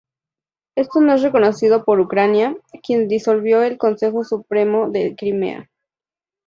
Esto no es reconocido por Ucrania, quien disolvió el Consejo Supremo de Crimea.